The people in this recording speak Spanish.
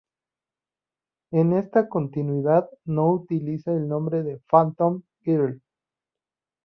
En esta continuidad no utiliza el nombre "Phantom Girl".